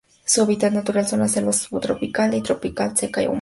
Su hábitat natural son las selvas subtropical o tropical seca, o húmeda.